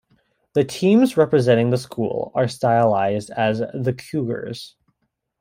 The teams representing the school are stylized as the Cougars.